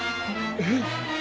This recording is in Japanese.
えっ。